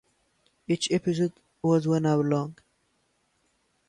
Each episode was one hour long.